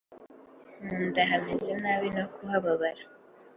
mu nda hameze nabi no kuhababara